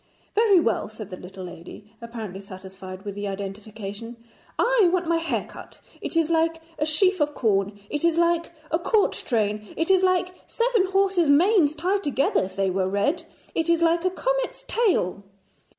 'Very well,' said the little lady, apparently satisfied with the identification, 'I want my hair cut. It is like a sheaf of corn. It is like a court train. It is like seven horses' manes tied together, if they were red. It is like a comet's tail.'